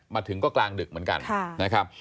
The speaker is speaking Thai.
มาถึงก็กลางดึกเหมือนกัน